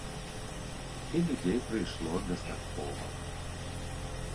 І людзей прыйшло дастаткова.